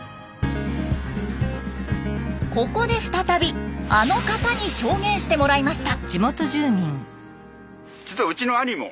ここで再びあの方に証言してもらいました。